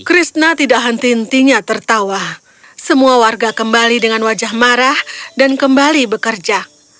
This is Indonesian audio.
krishna tidak henti hentinya tertawa semua warga kembali dengan wajah marah dan kembali bekerja